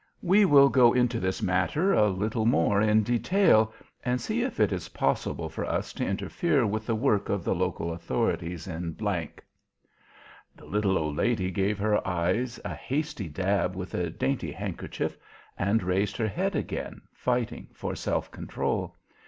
"We will go into this matter a little more in detail and see if it is possible for us to interfere with the work of the local authorities in G ." The little old lady gave her eyes a last hasty dab with a dainty handkerchief and raised her head again, fighting for self control.